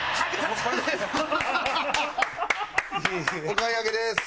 お買い上げです。